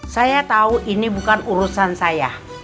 saya tahu ini bukan urusan saya